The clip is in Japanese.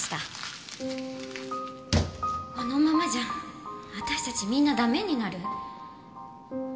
このままじゃ私たちみんな駄目になる。